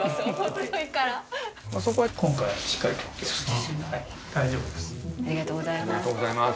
細いからありがとうございます